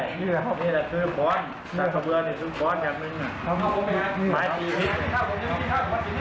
จะทำร้ายคนอยู่ข้างในไหนเขาก็กลัวดิ